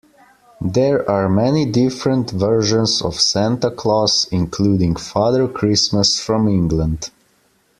There are many different versions of Santa Claus, including Father Christmas from England